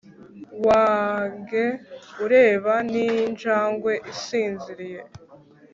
Wange ureba ninjangwe isinziriye